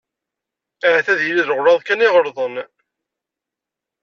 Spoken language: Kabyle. Ahat ad yili d leɣlaḍ kan i ɣelṭen.